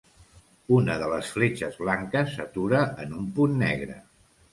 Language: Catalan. Una de les fletxes blanques s'atura en un punt negre.